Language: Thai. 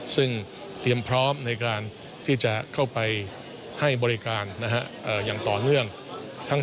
ซึ่งเตรียมพร้อมในการที่จะเข้าไปให้บริการอย่างต่อเนื่อง